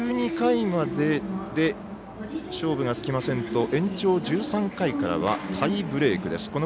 １２回までで勝負がつきませんと延長１３回からはタイブレークです。